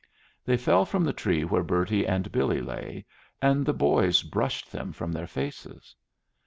They fell from the tree where Bertie and Billy lay, and the boys brushed them from their faces.